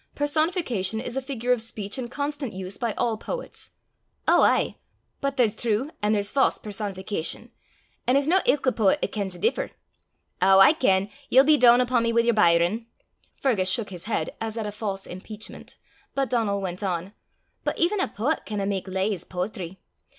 Personification is a figure of speech in constant use by all poets." "Ow aye! but there's true and there's fause personification; an' it's no ilka poet 'at kens the differ. Ow, I ken! ye'll be doon upo' me wi' yer Byron," Fergus shook his head as at a false impeachment, but Donal went on "but even a poet canna mak lees poetry.